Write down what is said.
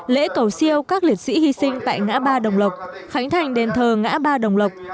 lễ cầu siêu các liệt sĩ hy sinh tại ngã ba đồng lộc khánh thành đền thờ ngã ba đồng lộc